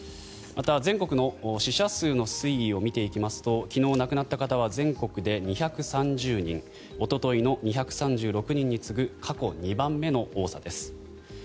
また全国の死者数の推移を見ていきますと昨日亡くなった方は全国で２３０人おとといの２３６人に次ぐ過去２番目の多さです。